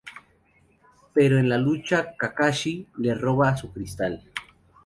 Pero en la lucha, Kakashi le roba su cristal.